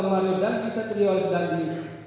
maru dan bisa terjawab di dandis